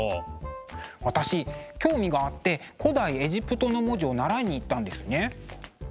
私興味があって古代エジプトの文字を習いに行ったんですね。